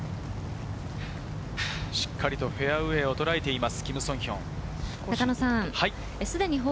しっかりフェアウエーをとらえています。